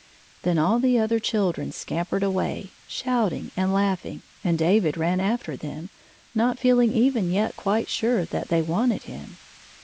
Then all the other children scampered away, shouting and laughing, and David ran after them, not feeling even yet quite sure that they wanted him.